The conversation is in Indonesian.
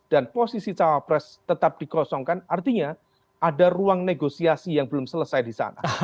dan posisi cawapres tetap dikosongkan artinya ada ruang negosiasi yang belum selesai di sana